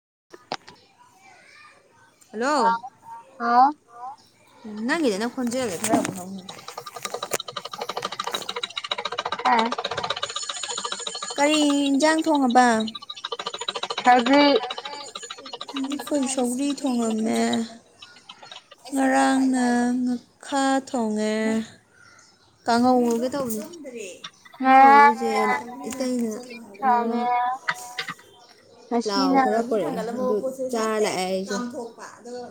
[unintelligible] hello ꯅ ꯀꯗꯅ phone ꯆꯒꯦ ꯍꯝ [unintelligible] ꯎ ꯀꯔꯤ ꯏꯟꯁꯥꯡ ꯊꯣꯡꯉꯕ ꯑ ꯁꯤ ꯑꯩꯈꯣꯏ ꯁꯧ꯭ꯔꯤ ꯊꯣꯉꯝꯃꯦ ꯉꯔꯥꯡꯅ ꯉꯈꯥ ꯊꯣꯡꯉꯦ ꯀꯉꯧꯒꯗꯧꯅꯦ ꯉꯧꯔꯏꯁꯦ ꯏꯇꯩꯩꯅ ꯊꯉ ꯂꯑꯣ ꯈꯔ ꯄꯔꯦ ꯆꯑꯦꯝ ꯊꯣꯛꯄ ꯑꯣ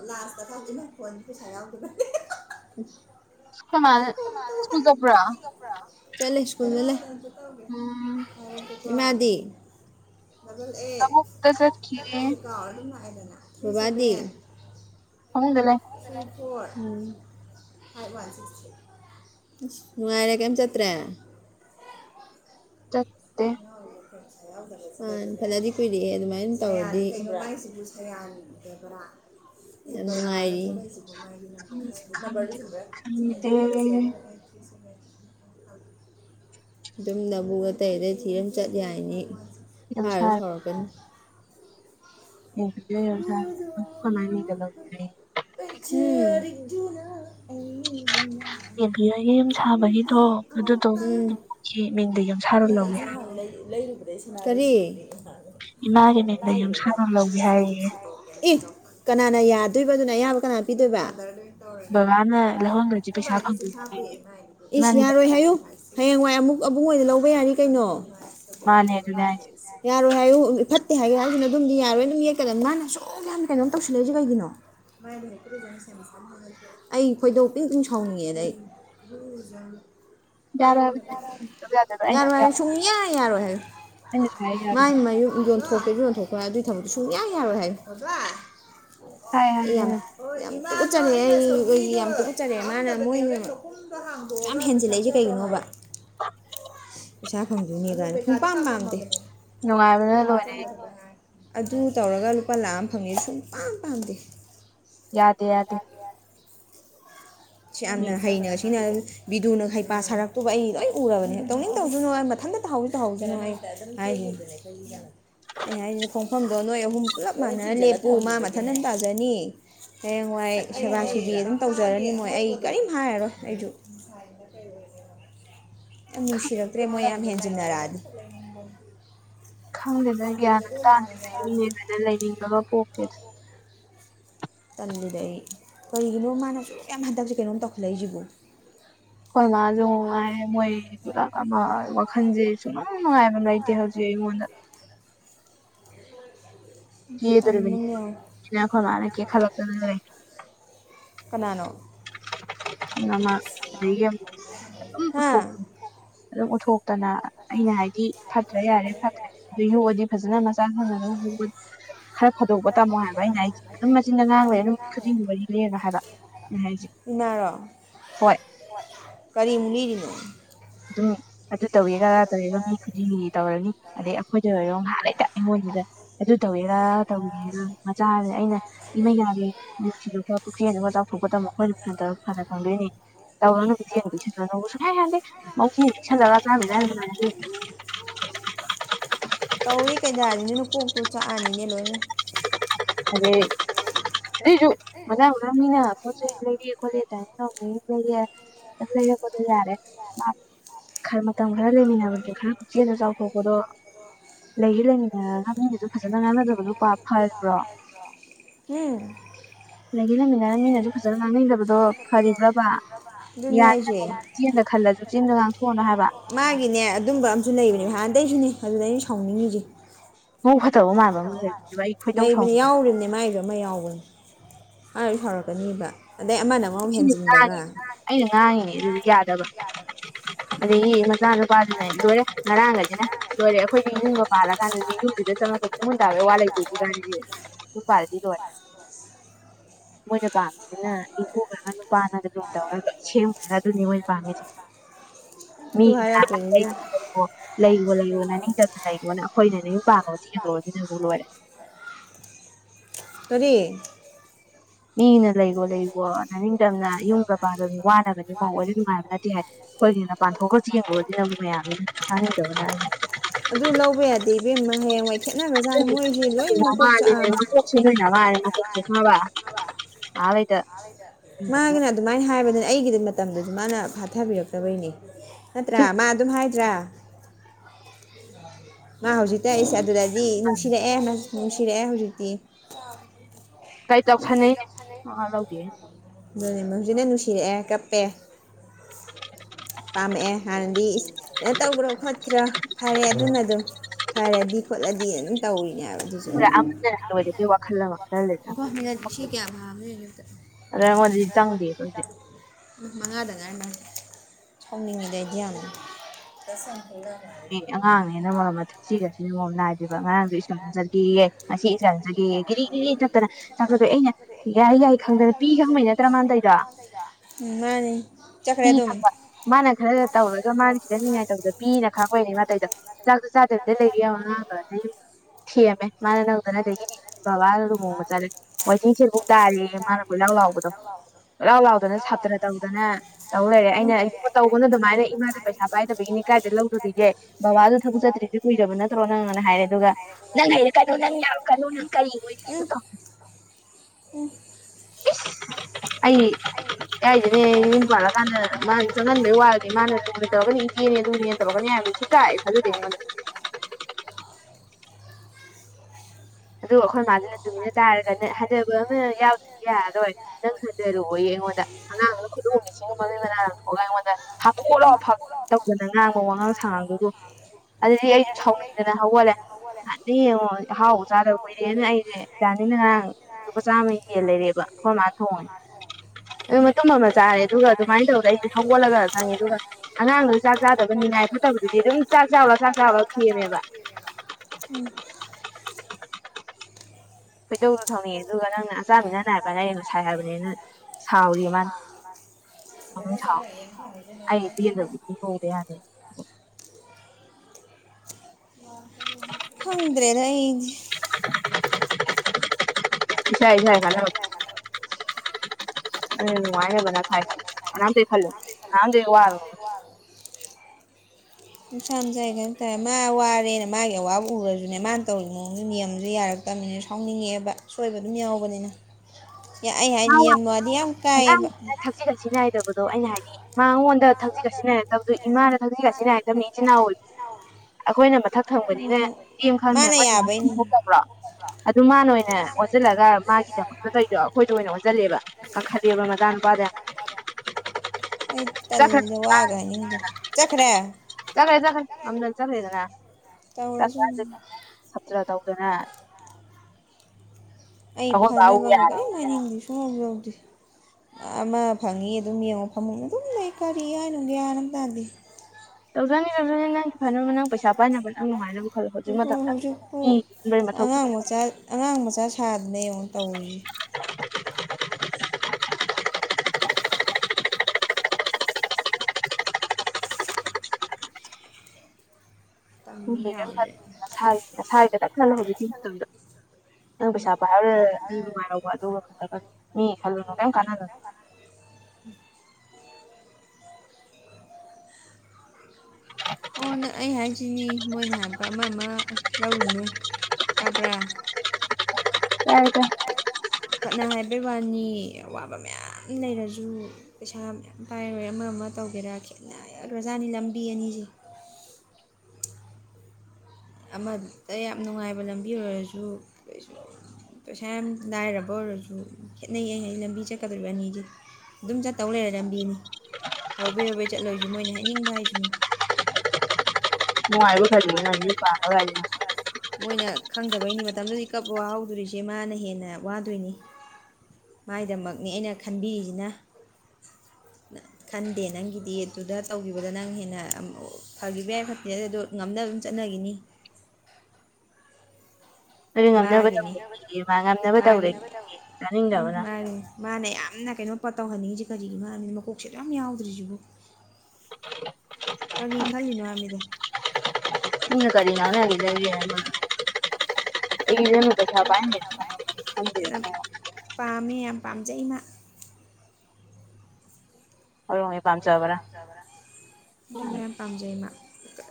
ꯂꯥꯛꯣꯟ ꯄꯩꯁꯥ ꯌꯥꯎꯗ ꯆꯂꯦ ꯏꯁꯀꯨꯜ ꯏ ꯃꯗꯤ ꯃꯒ ꯑꯩ ꯑꯃꯨꯛꯛꯇ ꯆꯔꯈꯤ ꯎꯕꯗ ꯍꯗ ꯂꯩꯦ ꯎꯝ ꯅꯨꯡꯉꯥꯏꯔꯦ ꯀꯩꯝ ꯆꯠꯇ꯭ꯔꯦ ꯆꯦ ꯑ ꯐꯅꯗꯤ ꯀꯨꯏꯔꯛꯑꯦ ꯑꯗꯨꯃꯥꯏꯅ ꯇꯧꯔꯗꯤ ꯔꯔꯃꯥꯏꯔꯤ ꯑꯗꯨꯝ ꯅꯕꯨꯒ ꯑꯇꯩ ꯑꯗꯩ ꯊꯤꯔ ꯆꯠ ꯌꯥꯏꯅꯤ ꯍꯥꯏꯔ ꯁꯔꯀꯅꯤ ꯖ ꯀꯥꯏꯗ ꯂꯧ ꯍꯥꯏ [unintelligible] ꯑꯦꯦꯝꯕꯤ ꯍꯣꯏꯒꯤ ꯌꯨꯝ ꯁꯥꯕꯒꯤꯗꯣ ꯑꯗꯨꯗꯣ ꯃꯤꯡꯗ ꯌꯨꯝ ꯁꯥꯔ ꯂꯧꯏꯦ ꯍꯥꯏ ꯊ ꯏꯃꯥꯒꯤ ꯃꯤꯡꯗ ꯌꯨꯝꯁꯔꯣꯜ ꯂꯧꯒꯦ ꯍꯥꯏꯔꯌꯦ ꯏ ꯀꯅꯥꯅ ꯌꯥꯗꯣꯏꯕꯗꯨꯅ ꯑꯌꯥꯝꯕ ꯀꯅꯥ ꯄꯤꯗꯣꯏꯕ ꯏꯁ ꯌꯥꯔꯣꯏ ꯍꯥꯏꯌꯨ ꯍꯌꯦꯡꯋꯥꯏ ꯑꯃꯨꯛ ꯄꯕꯨꯡꯉꯣꯏꯗ ꯂꯧꯕ ꯌꯥꯅꯤ ꯀꯩꯅꯣ ꯌꯥꯔ ꯑꯣꯏ ꯍꯥꯏꯌꯨ ꯐꯠꯇꯦ ꯍꯥꯏꯒꯦ ꯍꯥꯏꯁꯤꯅ ꯑꯗꯨꯝꯗꯤ ꯌꯥꯔꯣꯏ ꯑꯗꯨꯝ ꯌꯦꯛ ꯀꯩꯅꯣ ꯃꯥꯅ ꯁꯨꯝ ꯌꯥꯝꯅ ꯀꯩꯅꯣꯝ ꯇꯧꯁꯤꯜꯂꯛꯏꯁꯦ ꯀꯩꯒꯤꯅꯣ ꯑꯩ ꯈꯣꯏꯗꯣꯛ ꯄ ꯑꯗꯨꯝ ꯁꯥꯎꯅꯤꯡꯉꯦꯗꯩ ꯌꯥꯔꯣꯏ ꯍꯥꯏ ꯁꯨꯡ ꯌꯥ ꯌꯥꯔꯣꯏ ꯍꯥꯏ ꯃꯥꯏ ꯃꯌꯨꯝ ꯌꯣꯟꯊꯣꯛ ꯏꯪꯈꯣꯜ ꯗꯣ ꯊꯣꯛꯈꯥꯨꯏ ꯊꯝ ꯊꯨꯡꯅ ꯌꯥꯕꯚꯥꯏ ꯌꯥꯝ ꯌꯥꯝ ꯌꯥꯝ ꯀꯣꯛ ꯎꯠꯆꯔꯛꯦ ꯑꯩ ꯌꯥꯝ ꯀꯣꯛ ꯎꯠꯆꯔꯛꯦ ꯃꯥꯅ ꯃꯣꯏ ꯌꯥꯝ ꯍꯦꯟꯖꯤꯜꯂꯛꯏꯁꯦ ꯀꯩꯒꯤꯅꯣꯕ [inaudible] ꯄꯩꯁꯥ ꯈꯪꯗꯣꯏꯅꯤ ꯀꯅꯤ ꯁꯨꯝ ꯄꯥꯟ ꯄꯥꯝꯗꯦ ꯅꯨꯡꯉꯥꯏꯕꯅ ꯂꯣꯏꯔꯦ ꯑꯗꯨ ꯇꯧꯔꯒ ꯂꯨꯄꯥ ꯂꯥꯛꯑ ꯑꯃ ꯐꯪꯉꯤ ꯁꯨꯝ ꯄꯥꯝ ꯄꯥꯝꯗꯦ ꯌꯥꯗꯦ ꯌꯥꯗꯦ ꯁꯤ ꯌꯥꯝꯅ ꯍꯩꯅ ꯁꯤꯅ ꯕꯤꯗꯨꯅ ꯈꯩꯄꯥ ꯁꯥꯔꯛꯇꯨꯕ ꯑꯩ ꯂꯣꯏ ꯎꯔꯕꯅꯦ ꯇꯧꯅꯤꯡ ꯇꯧꯁꯤꯅꯨ ꯑꯩ ꯃꯊꯟꯇ ꯇꯥꯍꯧꯁꯤ ꯇꯥꯍꯧꯁꯤꯣꯏꯅꯨ ꯑꯩ ꯍꯥꯏꯈꯤ ꯑꯩ ꯍꯥꯏꯁꯦ ꯈꯣꯡꯐꯝ ꯑꯗꯣ ꯅꯣꯏ ꯑꯍꯨꯝ ꯄꯨꯂꯞ ꯃꯥꯟꯅꯔ ꯂꯦꯞꯄꯨ ꯃꯥ ꯃꯊꯟꯪ ꯇꯥꯖꯅꯤ ꯍꯌꯦꯡꯋꯥꯏ ꯁꯦꯕꯥ ꯁꯦꯕꯤ ꯑꯗꯨꯝ ꯇꯧꯖꯔꯅꯤ ꯍꯣꯏ ꯑꯩ ꯀꯔꯤꯝ ꯍꯥꯏꯔꯣꯏ ꯑꯩꯁꯨ ꯌꯥꯝ ꯅꯨꯡꯁꯤꯔꯛꯇ꯭ꯔꯦ ꯃꯣꯏ ꯌꯥꯝ ꯍꯦꯟꯖꯤꯟꯅꯔꯛꯑꯅꯤ ꯈꯪꯗꯦꯗ ꯒ꯭ꯌꯥꯟ ꯑꯃ ꯇꯥꯟꯗꯦꯗ ꯌꯨꯝꯅꯦꯗꯅ ꯂꯩꯅꯤꯡꯉꯒ ꯄꯣꯛꯇꯦꯗ ꯇꯟꯗꯨꯗ ꯑꯩ ꯀꯔꯤꯒꯤꯅꯣ ꯃꯥꯅ ꯌꯥꯝ ꯍꯟꯊꯕꯁꯦ ꯀꯩꯅꯣꯝ ꯇꯧꯈꯠꯂꯛꯏꯁꯤꯕꯨ ꯍꯣꯏ ꯃꯥꯖꯣ ꯍꯥꯏꯔꯦ ꯃꯣꯏ ꯑ ꯋꯥꯈꯟꯖꯦ ꯆ ꯅꯨꯡꯉꯥꯏꯕ ꯏꯇꯍꯁꯨ ꯑꯩꯉꯣꯟꯗ ꯇ ꯌꯥꯎ ꯀꯅꯥꯅꯣ [inaudible] ꯑꯃ ꯑꯗꯒꯤ ꯑꯗꯨꯝꯠꯊꯣꯛꯄ ꯑꯗꯨꯝ ꯎꯠꯊꯣꯛꯄ ꯠꯇꯅ ꯑꯩꯅ ꯍꯥꯏꯗꯤ ꯐꯠꯇ꯭ꯔꯦ ꯌꯥꯔꯦ ꯐꯠꯇ꯭ꯔꯦ ꯑꯗꯨ ꯌꯣꯛꯑꯗꯤ ꯐꯖꯅ ꯃꯆꯥ ꯁꯪꯅ ꯑꯗꯨꯝ ꯌꯣ ꯈꯔ ꯐꯥꯗꯣꯛꯄ ꯇꯝꯃꯣ ꯍꯥꯏꯕ ꯑꯩꯅ ꯍꯥꯏꯁꯦ ꯑꯗꯨꯝ ꯃꯆꯤꯟꯟꯅ ꯉꯥꯡꯈꯦ ꯑꯗꯨꯝ ꯈꯨꯗꯤꯡꯃꯛ ꯋꯥꯔꯤꯔꯤ ꯂꯩꯔꯒ ꯍꯥꯏꯕ ꯑꯩꯅ ꯍꯥꯏꯁꯦ ꯏꯟꯅꯔ ꯇꯃꯅꯤꯔꯤꯅꯣ ꯑꯗꯨ ꯑꯗꯨ ꯇꯧꯋꯦ ꯀꯥ ꯇꯧꯔꯦꯒ ꯃꯤ ꯈꯨꯗꯤꯡꯒꯤꯒꯤ ꯇꯧꯔꯅꯤ ꯑꯗꯩ ꯑꯩꯈꯣꯏꯗ ꯑꯣꯏꯔꯣ [unintelligible] ꯑꯩꯉꯣꯟꯗꯨꯗ ꯑꯗꯨ ꯇꯧꯋꯦꯔ ꯇꯧꯒꯦꯔ ꯃꯆꯥꯁꯦ ꯑꯩꯅ ꯏꯃꯩ ꯌꯥꯔꯦ ꯅꯨꯡꯁꯤꯗꯨ ꯈꯔ ꯄꯨꯛꯆꯦꯟꯗꯨ ꯆꯥꯎꯊꯣꯛꯄꯗꯕ ꯑꯩꯈꯣꯏꯅ ꯐꯕ ꯐꯅ ꯐꯪꯗꯣꯏꯅꯦ ꯇꯧꯔꯅꯃꯤꯆꯦꯗ ꯏꯁꯅꯨꯁꯨꯨꯡ ꯍꯥꯏꯥꯏ ꯍꯜꯂꯤꯦ ꯃ ꯊꯁꯟ ꯖꯒꯥ ꯆꯕ ꯇꯧꯔꯤ ꯀꯩꯗꯔꯔꯤꯅꯤ ꯅ ꯀꯣꯛꯇꯨ ꯆꯥꯛꯂꯅꯤꯅꯦ ꯂꯣꯏꯅ ꯑꯗꯩ ꯑꯗꯩꯁꯨ ꯃꯥꯡ ꯃꯥꯡ ꯃꯤꯅ ꯄꯣꯠ ꯆꯩꯩ ꯂꯩꯔꯦ ꯈꯣꯠꯂꯦ ꯑꯗꯨꯃꯥꯏꯅ ꯂꯩꯔꯦ ꯑꯗꯨ ꯂꯩꯔ ꯈꯣꯠꯂ ꯌꯥꯔꯦ ꯈꯔ ꯃꯇꯝ ꯈꯔ ꯂꯩꯃꯤꯟꯅꯕꯗ ꯈꯔ ꯈꯨꯆꯦꯟꯅ ꯆꯥꯎꯊꯣꯛꯄꯗꯣ ꯂꯩꯒ ꯂꯩꯃꯤꯟꯅꯔꯒ ꯃꯤꯗꯨꯁꯨ ꯐꯖꯅ ꯉꯥꯟꯅꯗꯕꯗꯨꯣ ꯄꯥ ꯎꯝ ꯅ ꯃꯤꯅꯁꯨ ꯐꯖꯅ ꯉꯥꯡꯅꯤꯡꯩꯗꯕꯗꯣ ꯐꯔꯤꯕ꯭ꯔꯕ ꯌꯥꯅꯤ ꯆꯦꯅ ꯈꯜꯂꯁꯨ ꯃꯥꯒꯤꯅꯦ ꯑꯗꯨꯝꯕ ꯑꯃꯁꯨ ꯂꯩꯕꯅꯦꯕ ꯍꯥꯟꯗꯇꯩꯁꯨꯅꯦ ꯑꯗꯨꯗ ꯑꯩꯅ ꯁꯥꯎꯅꯤꯡꯉꯤꯁꯦ ꯃꯣꯡ ꯐꯠꯇꯕ ꯃꯥꯟꯕ ꯑꯃ ꯂꯩꯔꯕ ꯑꯩ ꯈꯣꯏꯗꯧ ꯐꯥꯎꯅꯤꯡꯉꯦꯕ ꯍꯥꯏ ꯍꯧꯥꯎꯔꯛꯀꯅꯦꯕ ꯑꯗꯩ ꯑꯩꯅ ꯉꯥꯡꯉꯤ ꯑꯩꯅ ꯉꯥꯡꯉꯤꯅꯦ ꯑꯗꯨꯗꯤ ꯌꯥꯗꯕ ꯑꯗꯨꯗꯗꯒꯤ ꯏꯆꯥ ꯅꯨꯄꯥꯁꯤꯅ ꯂꯣꯏꯔꯦ ꯉꯔꯥꯡꯒꯗꯤꯅ ꯂꯣꯏꯔꯦ ꯑꯩꯈꯣꯏꯒꯤ ꯌꯨꯝꯒ ꯄꯥꯜꯂꯀꯥꯟꯗꯗꯤ ꯌꯨꯝꯗꯨꯗ ꯆꯪꯉꯀ ꯈꯪꯃꯟ ꯇꯥꯕꯩ ꯋꯥꯠ ꯂꯩꯇꯦꯗꯤ ꯀꯥꯟꯁꯤꯗꯤ ꯅꯨꯄꯥꯗꯗꯤ ꯂꯣꯏꯔꯦ ꯃꯣꯏꯅ ꯄꯥꯝꯃꯤꯁꯤꯅ ꯏ ꯀꯍ ꯄꯥꯟꯅ ꯑꯗꯨꯅ ꯇꯧꯔ ꯁꯦꯝꯅꯔ ꯑꯗꯨꯅꯤ ꯃꯣꯏ ꯄꯅꯤꯖ ꯃꯤꯅ ꯂꯩꯣ ꯂꯩꯌꯣ ꯂꯩꯌꯣꯅ ꯅꯤꯡꯇꯝꯅ ꯂꯩꯉꯣꯅ ꯑꯩꯈꯣꯏꯅ ꯅꯨꯝ ꯄꯥꯉ ꯆꯤꯉ ꯑꯗꯨꯗꯨꯛ ꯂꯣꯏꯔꯦ ꯀꯔꯤ ꯃꯤꯅ ꯂꯩꯒꯣ ꯂꯩꯒꯣ ꯑꯗꯨ ꯂꯧꯕ ꯌꯥꯗꯦ ꯏꯕꯦꯝꯅ ꯍꯌꯦꯡꯋꯥꯏ ꯔ ꯋꯥꯔ ꯅꯁꯤ ꯈꯥꯕ ꯍꯥꯏ ꯇ ꯃꯥꯒꯤꯅ ꯑꯗꯨꯃꯥꯏꯅ ꯍꯥꯏꯕꯅꯤꯅ ꯑꯩꯒꯤꯗꯤ ꯃꯇꯝꯗꯨꯗꯤ ꯃꯥꯅ ꯐꯥꯊꯕꯤꯔꯛꯇꯕꯩꯅꯤ ꯅꯠꯇ꯭ꯔꯥ ꯃꯥ ꯑꯗꯨꯝ ꯍꯥꯏꯗ꯭ꯔꯥ ꯃꯥ ꯍꯧꯖꯤ ꯇꯁ ꯑꯗꯨꯗ ꯍꯥꯏꯗꯤ ꯅꯨꯡꯁꯤꯔꯛꯑꯦꯅ ꯅꯨꯡꯁꯤꯔꯛꯑꯦ ꯍꯧꯖꯤꯛꯇꯤ ꯀꯩ ꯇꯧ ꯈꯅꯩꯅꯦ ꯂꯧꯗꯦ ꯑꯗꯨꯅꯦꯃꯁꯤꯅ ꯅꯨꯡꯁꯤꯔꯛꯑꯦ ꯀꯞꯄꯦ ꯄꯥꯝꯃꯛꯑꯦ ꯍꯥꯟꯅꯗꯤꯩꯅ ꯇꯧꯈ꯭ꯔꯣ ꯈꯣꯠꯈ꯭ꯔꯣ ꯐꯔꯦ ꯑꯗꯨꯅ ꯑꯗꯨꯣ ꯐꯔꯗꯤ ꯈꯣꯠꯂꯗꯤ ꯑꯗꯨꯝ ꯇꯧꯏ ꯍꯥꯏꯕ ꯑꯗꯨꯁꯨ ꯒꯣꯔꯃꯦꯟꯅ ꯏꯁꯩ ꯀꯌꯥꯝ ꯍꯥꯡꯝꯅꯣ ꯎ ꯃꯒꯥꯥꯗꯒ ꯁꯅꯤ ꯃꯤꯗꯥꯗꯤꯌꯥꯅ ꯑꯦ ꯑꯉꯥꯡꯅꯦꯅ ꯃꯔꯝꯗ ꯊꯛꯁꯤ ꯈꯥꯁꯤ ꯃꯔꯑꯣꯝ ꯅꯥꯏꯗꯣꯏꯕ ꯑꯉꯥꯡꯗꯣ ꯏꯁꯀꯥꯜꯆꯒꯦ ꯉꯁꯤ ꯏꯁꯀꯜꯟꯖꯒꯦꯦ ꯦꯔꯤ ꯦꯔꯤ ꯇꯛꯇꯅ ꯆꯠꯄ ꯑꯩꯅ ꯌꯥꯏ ꯌꯥꯏ ꯈꯪꯗꯅ ꯄꯤ ꯄ ꯈꯪꯕꯩ ꯅꯠꯇ꯭ꯔ ꯃꯥꯅꯗꯩꯗꯣ ꯄꯤꯕ ꯃꯥꯅ ꯈꯔ ꯇꯧꯔꯒ ꯃꯥꯅ ꯈꯤꯇꯪ ꯉꯥꯏ ꯇꯧꯗ ꯄꯤꯅ ꯑꯈꯥꯡ ꯑꯣꯏꯔꯤꯩ ꯃꯇꯩꯗꯣ ꯆꯥꯛꯁꯨ ꯆꯥꯗꯕꯗ ꯂꯩꯔꯤ ꯌꯥ ꯉꯥꯡꯒ ꯑꯗꯩ ꯑꯃꯨꯛ ꯊꯦꯝꯃꯦ ꯃꯥꯅ ꯅꯪꯗꯅ ꯑꯗꯒꯤꯗꯤ ꯕꯕꯥꯅ ꯂꯨꯍꯣꯡꯕ ꯆꯠꯂꯦ ꯋꯥꯏꯊꯤꯡꯁꯦ ꯑꯃꯨꯛ ꯇꯥꯔꯦ ꯃꯥꯅ ꯀ ꯄꯨꯠꯂꯥꯎ ꯂꯥꯎꯗꯅ ꯁꯥꯇꯅ ꯇꯧꯗꯅ ꯇꯧ ꯂꯩꯔꯦ ꯑꯩꯅ ꯑꯩꯉ ꯇꯧꯕꯅ ꯑꯗꯨꯃꯥꯏꯅ ꯏꯃꯥꯗ ꯄꯩꯁꯥ ꯄꯥꯏꯗꯕꯒꯤꯅꯤ ꯀꯥꯏꯗ ꯂꯧꯗ ꯑꯦ ꯕꯕꯥꯗ ꯊꯕꯛ ꯆꯗ꯭ꯔꯤꯗꯤ ꯀꯨꯏꯗꯕ ꯅꯠꯇ꯭ꯔꯣ ꯅꯪꯅ ꯍꯥꯏꯔꯦ ꯑꯗꯨꯒ ꯅꯪ ꯍꯥꯏꯔꯛ ꯀꯩꯅꯣ ꯅꯪ ꯌꯥꯔ ꯀꯣ ꯅꯪ ꯀꯔꯤ ꯑꯣꯏꯔꯤꯒꯦ ꯏꯁ ꯑꯩ ꯌꯥꯏꯗꯨꯅꯦ ꯌꯨꯝ ꯄꯥꯜꯂꯀꯥꯟꯗ ꯃꯥꯁ ꯆꯪꯍꯟꯕꯩ ꯋꯥꯔꯗꯤ ꯃꯥꯅ ꯆꯨꯝꯅ ꯇꯧꯔꯒꯅꯤ ꯏꯆꯦꯅꯦ ꯑꯗꯨ ꯌꯦꯅ ꯇꯧꯔꯛꯒꯅꯤ ꯍꯥꯏꯕꯁꯨ ꯇꯥꯛꯑꯦ ꯊꯥꯖꯗꯦ ꯑꯩꯉꯣꯟꯗ ꯑꯗꯨ ꯑꯩꯈꯣꯏ ꯃꯥꯗꯨꯅ ꯇꯨꯃꯤꯟꯅ ꯇꯥꯔꯒꯅꯦ ꯍꯥꯏꯟꯊꯕ ꯑꯃ ꯌꯥꯎꯗꯔꯤ ꯣꯏ ꯅꯪ ꯈꯟꯊꯔꯛꯑꯣꯏꯌꯦ ꯑꯩꯉꯣꯟꯗ ꯑꯉꯥꯡꯗꯨꯅ ꯈꯨꯗꯣꯡꯝꯁꯤꯡ ꯃꯃꯤ ꯃꯅꯥ ꯂꯪꯊꯣꯛꯑꯒ ꯑꯩꯉꯣꯟꯗ ꯍꯥꯞꯠꯇꯣꯂꯣꯑꯣ ꯐꯛ ꯇꯧꯗꯅ ꯉꯥꯡꯕ ꯋꯥꯉꯥꯡ ꯁꯥꯉꯥꯡꯗꯨꯕꯨ ꯑꯗꯨꯗꯤ ꯑꯩꯁꯨ ꯁꯥꯎꯅꯤꯡꯗꯅ ꯍꯧꯒꯠꯂꯦꯗꯤ ꯌꯦꯡꯉꯣ ꯑꯍꯥꯎ ꯀꯨꯏꯔꯦꯅ ꯑꯩꯁꯦ ꯏꯇꯥꯅꯤꯅ ꯉꯔꯥꯡ ꯂꯨꯄꯥ ꯆꯥꯝꯃ ꯌꯦꯟ ꯂꯩꯔꯦ ꯂꯩꯦꯕ ꯅꯪ ꯃꯪ ꯃ ꯆꯥꯔꯦ ꯑꯗꯨꯒ ꯑꯗꯨꯃꯥꯏꯅ ꯇꯧꯔ ꯑꯩ ꯊꯒꯠꯂꯒꯪꯉꯦ ꯑꯗꯨꯒ ꯑꯉꯥꯡ ꯅꯨ ꯆꯥꯛ ꯆꯥꯗ ꯑꯗꯨꯝꯥꯛ ꯆ ꯆꯥꯛ ꯆ ꯀꯨꯏꯔꯦꯕ ꯊꯣꯏꯗꯧꯗꯣ ꯊꯪꯅꯤꯡꯑ ꯑꯗꯨꯒ ꯅꯪꯅ ꯑꯆꯥꯃꯤꯅꯅꯦ ꯑꯗꯨꯃꯥꯏꯅ ꯑꯩꯅ ꯉ ꯁꯥꯏ ꯍꯥꯏꯕꯅꯤꯅ ꯁꯥꯎꯔꯤ ꯃꯥꯅ ꯐꯃ ꯁꯥꯎ ꯑꯩ ꯄꯦꯟꯗꯕꯗꯤ ꯐꯍꯧꯗ ꯌꯥꯗꯦ ꯐꯪꯗ꯭ꯔꯦ ꯂꯩ ꯑꯩ ꯒ ꯎꯝ ꯋꯥ ꯈꯥꯏ ꯑꯔꯝꯗ ꯈꯜ ꯑꯔꯝꯗꯔ ꯅꯨꯡꯁꯥ ꯅꯨꯡꯁꯥꯏ ꯀꯩꯣ ꯇꯥꯏꯔꯦ ꯃꯥ ꯋꯥꯔꯦꯅ ꯃꯥꯒꯤ ꯑꯋꯥꯕ ꯎꯔꯁꯨꯅꯦ ꯃꯥꯅ ꯇꯧꯔꯤꯕ ꯃꯑꯣꯡꯗ ꯅꯤꯌꯝꯁꯨ ꯌꯥꯔꯛꯇꯕꯅꯤꯅ ꯁꯥꯎꯅꯤꯡꯉꯛꯑꯦꯕ ꯁꯣꯏꯕ ꯑꯗꯨꯝ ꯌꯥꯎꯕꯅꯤꯅ ꯌꯥ ꯑꯩ ꯌꯥꯏ ꯅꯤꯌꯝ ꯋꯥꯅꯤꯌꯝ ꯀꯌꯦꯕ ꯊꯛꯁꯤꯒꯁꯤ ꯅ ꯗꯣ ꯑꯩꯅ ꯍꯥꯏꯗꯤ ꯃꯉꯣꯟꯗ ꯗ ꯊꯛꯒꯁꯤ ꯅꯥꯔꯦꯛꯇꯕꯗꯨꯣ ꯏꯃꯥꯗ ꯊꯛꯤ ꯈꯁꯤꯅꯥ ꯍꯦꯛꯇꯕ ꯏꯆꯤꯟꯅꯥꯎ ꯑꯣꯏꯕ ꯑꯩꯈꯣꯏꯅ ꯃꯊꯛ ꯊꯪꯕꯅꯤꯅꯦ ꯀꯩꯝ ꯈꯪꯅꯤꯅ ꯑꯩꯈꯣꯏꯗ ꯉꯝ ꯊꯣꯛꯇꯕ꯭ꯔꯣ ꯑꯗꯨ ꯃꯥꯅ ꯑꯣꯏꯅ ꯑꯣꯟꯁꯤꯜꯂꯒ ꯃꯥꯒꯤꯗꯃꯛꯇ ꯇꯧꯔꯤꯗꯣ ꯑꯩꯈꯣꯏꯗ ꯑꯣꯏꯅ ꯑꯣꯟꯁꯤꯜꯂꯦꯕ ꯀꯥꯈꯠꯂꯦꯕ ꯃꯆꯥꯅꯨꯄꯥꯗ ꯆꯠꯈ ꯆꯠꯈ꯭ꯔꯂ ꯆꯠꯈ꯭ꯔꯦ ꯉꯝꯗꯅ ꯆꯠꯈ꯭ꯔꯦꯗꯅ ꯁꯞꯇ꯭ꯔ ꯇꯧꯗꯅ ꯑꯩ ꯐꯅꯕꯒ ꯀꯔꯤꯝ ꯍꯥꯏꯅꯤꯡꯗꯦ ꯁꯨꯡꯂꯧ ꯂꯧꯗꯦ ꯑꯃ ꯐꯪꯉꯤ ꯑꯗꯨꯝ ꯌꯦꯡꯉꯣ ꯐꯃꯨꯡ ꯑꯗꯨꯝ ꯂꯩ ꯀꯔꯤ ꯍꯥꯏꯅꯣ ꯒꯌꯥꯟ ꯑꯝ ꯇꯥꯗꯦ ꯑꯣꯖꯥ ꯅꯤꯔꯟꯖꯨ ꯅꯪ ꯐꯅꯕ ꯅꯪ ꯄꯩꯁꯥ ꯄꯥꯏꯅꯕ ꯅꯪ ꯅꯨꯡꯉꯥꯏ ꯑꯗꯨꯕꯨ ꯍꯧꯖꯤꯛꯄꯨ ꯑꯉꯥꯡ ꯃꯆꯥ ꯑꯉꯥꯡ ꯃꯆꯥ ꯁꯥꯗꯅ ꯌꯦꯡꯉꯣ ꯇꯧꯔꯤꯁꯦ ꯃꯤꯒꯔꯒ ꯀꯩꯝ ꯈꯟꯅꯨ ꯅꯁꯥꯒꯤ ꯅꯁꯥꯒꯤ ꯈꯛꯇ ꯈꯜꯂꯣ ꯍꯧꯖꯤꯛꯀꯤ ꯃꯇꯝꯗ ꯅꯪ ꯄꯩꯁꯥ ꯄꯥꯏꯍꯧꯔ ꯂꯣꯏꯔꯦ ꯅꯪ ꯅꯨꯡꯉꯥꯏꯍꯧꯕ ꯑꯗꯨꯒ ꯈꯟꯇ ꯈꯂ ꯃꯤ ꯈꯜꯂꯨꯅꯨ ꯀꯩꯝ ꯀꯅꯥꯗꯕꯅꯤ ꯑꯣ ꯑꯩ ꯍꯥꯏꯖꯤꯅꯤ ꯃꯣꯏꯅ ꯍꯥꯏꯕ ꯑꯃ ꯑꯃ ꯂꯧꯔꯨꯅꯨ ꯇꯥꯕ꯭ꯔꯥ ꯇꯥꯏ ꯇꯥꯏ ꯐꯠꯅ ꯍꯥꯏꯕꯩ ꯋꯥꯅꯤ ꯑꯋꯥꯕ ꯃꯌꯥꯝ ꯂꯩꯔꯁꯨ ꯄꯩꯁꯥ ꯃꯌꯥꯝ ꯄꯥꯏꯔꯣꯏ ꯑꯃ ꯑꯃ ꯇꯧꯒꯦꯔꯥ ꯈꯦꯠꯅ ꯒꯔꯖꯥꯅꯤ ꯂꯝꯕꯤ ꯑꯅꯤꯁꯦ ꯑꯃꯗ ꯌꯥꯝ ꯅꯨꯡꯉꯥꯏꯕ ꯂꯝꯕꯤ ꯑꯣꯏꯔꯁꯨ ꯄꯩꯁꯥ ꯌꯥꯝ ꯂꯥꯏꯔꯕ ꯑꯣꯏꯔꯁꯨ ꯈꯦꯠꯅꯩ ꯑꯩ ꯑꯩ ꯂꯝꯕꯤ ꯆꯠꯀꯗꯧꯔꯤꯕ ꯑꯅꯤꯗꯨꯗꯤ ꯑꯗꯨꯝ ꯆꯠꯇꯧ ꯂꯩꯔꯦ ꯂꯝꯕꯤꯅꯤ ꯍꯣꯕꯦ ꯍꯣꯕꯦ ꯆꯠꯂꯣꯏꯁꯨ ꯃꯣꯏꯅ ꯍꯥꯏꯅꯤꯡꯕ ꯍꯥꯏꯁꯅ ꯅꯨꯡꯉꯥꯏꯕ ꯁꯔꯤ ꯀꯥꯅ ꯀꯥꯏ ꯗꯕꯩꯅꯤ ꯃꯇꯝꯗꯨꯗꯤ ꯀꯞ ꯋꯥꯍꯧꯗꯣꯔꯤꯁꯦ ꯃꯥꯅ ꯍꯦꯟꯅ ꯋꯥꯗꯣꯏꯅꯤ ꯃꯥꯒꯤꯗꯃꯛꯅꯦ ꯑꯩꯅ ꯈꯟꯕꯤꯔꯤꯁꯤꯅ ꯈꯟꯗꯦ ꯅꯪꯒꯤꯗꯤ ꯑꯗꯨꯗ ꯇꯧꯈꯤꯕꯗ ꯅꯪ ꯍꯦꯟꯅ ꯐꯈꯤꯕ ꯌꯥꯏ ꯐꯠꯇꯕ ꯌꯥꯏ ꯑꯗꯨ ꯑꯗꯨ ꯆꯠꯅꯈꯤꯅꯤ ꯃꯥꯒꯤꯅꯤ ꯃꯥꯒꯤꯅꯤ ꯎꯝ ꯃꯥꯒꯤꯅꯤ ꯃꯥꯅ ꯌꯥꯝꯅ ꯀꯩꯅꯣ ꯃꯄꯥ ꯇꯧꯍꯟꯅꯤꯡꯉꯤꯁꯤ ꯀꯔꯤꯒꯤꯅꯣ ꯍꯥꯏꯕꯅꯤꯗ ꯃꯀꯣꯛꯁꯦ ꯑꯗꯨ ꯌꯥꯝ ꯌꯥꯎꯗ꯭ꯔꯤꯁꯤꯕꯨ ꯃꯤꯅ ꯀꯔꯤ ꯉꯥꯡꯅꯒꯤꯗꯒꯦꯅ ꯑꯩ ꯊꯥ ꯄꯥꯏꯔꯝꯃꯗꯤ ꯈꯟꯗꯦ ꯄꯥꯝꯖꯩꯃꯥ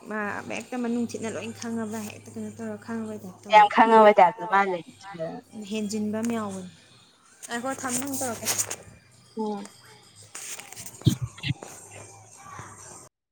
ꯃꯥ ꯍꯦꯛꯇ ꯃꯅꯨꯡ ꯊꯤꯠꯅ ꯂꯣꯏ ꯈꯪꯉꯕ ꯍꯦꯛꯇ ꯀꯩꯅꯣ ꯇꯧꯔꯒ ꯈꯪꯉꯕꯗ ꯇꯥꯏꯞ ꯇꯧꯋꯦ ꯌꯥꯝ ꯈꯪꯉꯕꯗ ꯍꯦꯟꯖꯤꯟ ꯑꯃ ꯌꯥꯎꯕꯅꯤ ꯉꯥꯏꯈꯣ ꯊꯝꯃ ꯑꯃꯨꯛ ꯇꯧꯔꯛꯀꯦ ꯑꯣ [inaudible]